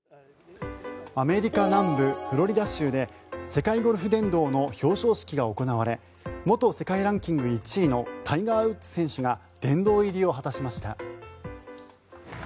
アメリカ南部フロリダ州で世界ゴルフ殿堂の表彰式が行われ元世界ランキング１位のタイガー・ウッズ選手が殿堂入りを果たしました。